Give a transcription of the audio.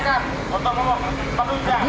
latuh terima kasih